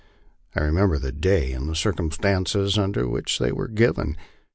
I re member the day and the circumstances under which they were given.